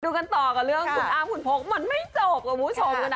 กันต่อกับเรื่องคุณอ้ามคุณพกมันไม่จบคุณผู้ชม